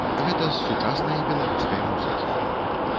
Гэта з сучаснай беларускай музыкі.